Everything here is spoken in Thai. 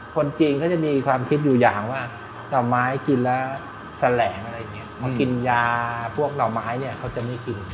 คนจีนเขาจะมีความคิดอยู่อย่างว่าหน่อไม้กินแล้วแสลงอะไรอย่างนี้เขากินยาพวกหน่อไม้เนี่ยเขาจะไม่กิน